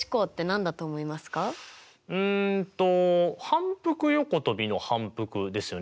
うんと反復横跳びの反復ですよね。